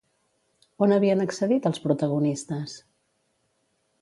On havien accedit els protagonistes?